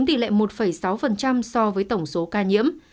tỷ lệ một sáu so với tổng số ca nhiễm